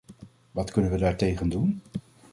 Wat kunnen we daartegen doen?